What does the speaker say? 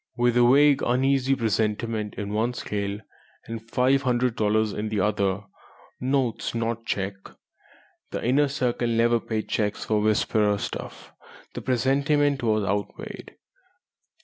With a vague, uneasy presentiment in one scale, and five hundred dollars in the other (notes, not a cheque; the Inner Circle never paid cheques for "Whisperer" stuff) the presentiment was outweighed.